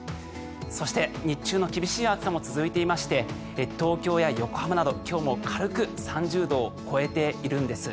そして、日中の厳しい暑さも続いていまして東京や横浜など今日も軽く３０度を超えているんです。